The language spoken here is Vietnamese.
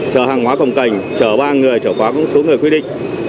chở hàng hóa công canh chở ba người chở khóa cũng số người quy định